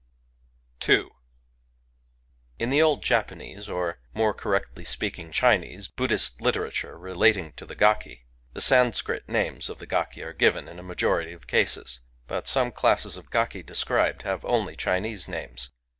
Digitized by Googk i86 GAKI II In the old Japanese, or, more correctly speaking, Chinese Efuddhist literature relating to the galci, the Sanscrit names of the gaki are given in a majority of cases ; but some classes of gaki described have only Chinese names.